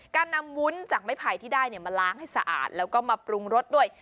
การนำวุ้นจากไม้ไผ่ที่ได้มาล้างให้สะอาดแล้วก็มาปรุงรสด้วย